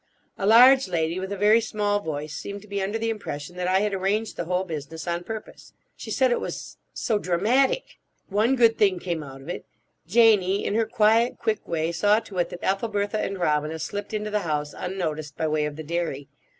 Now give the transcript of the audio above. A large lady with a very small voice seemed to be under the impression that I had arranged the whole business on purpose. She said it was "so dramatic." One good thing came out of it: Janie, in her quiet, quick way, saw to it that Ethelbertha and Robina slipped into the house unnoticed by way of the dairy.